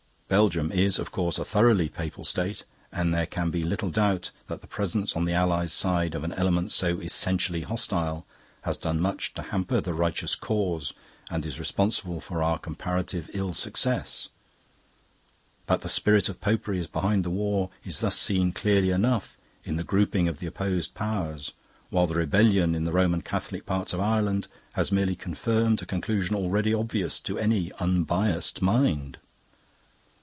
Belgium is, of course, a thoroughly papal state, and there can be little doubt that the presence on the Allies' side of an element so essentially hostile has done much to hamper the righteous cause and is responsible for our comparative ill success. That the spirit of Popery is behind the war is thus seen clearly enough in the grouping of the opposed powers, while the rebellion in the Roman Catholic parts of Ireland has merely confirmed a conclusion already obvious to any unbiased mind.